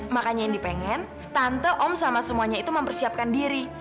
makanya yang dipengen tante om sama semuanya itu mempersiapkan diri